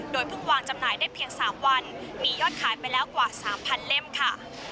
เพิ่งวางจำหน่ายได้เพียง๓วันมียอดขายไปแล้วกว่า๓๐๐เล่มค่ะ